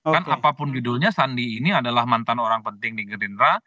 kan apapun judulnya sandi ini adalah mantan orang penting di gerindra